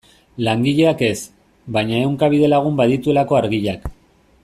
Langileak ez, baina ehunka bidelagun badituelako Argiak.